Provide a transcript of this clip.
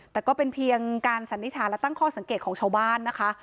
แต่ก็เป็นเพียงการสันนิษฐานและตั้งข้อสังเกตของชาวบ้านนะคะ